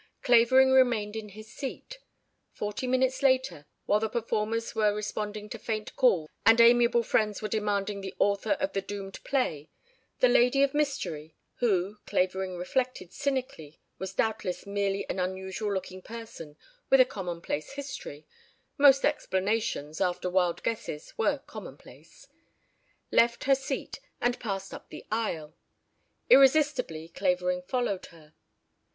Clavering remained in his seat. Forty minutes later, while the performers were responding to faint calls and amiable friends were demanding the author of the doomed play, the lady of mystery (who, Clavering reflected cynically, was doubtless merely an unusual looking person with a commonplace history most explanations after wild guesses were common place) left her seat and passed up the aisle. Irresistibly, Clavering followed her.